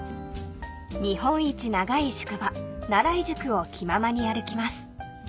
［日本一長い宿場奈良井宿を気ままに歩きます］